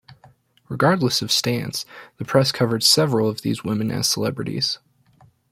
Regardless of stance, the press covered several of these women as celebrities.